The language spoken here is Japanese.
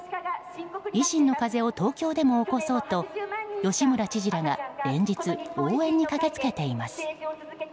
維新の風を東京でも起こそうと吉村知事らが連日応援に駆け付けています。